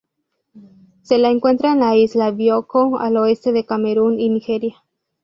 Se la encuentra en la isla Bioko, el oeste de Camerún y Nigeria.